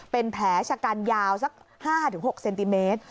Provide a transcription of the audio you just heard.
เป็นแผลชะกันยาวสัก๕๖เซนติเมตร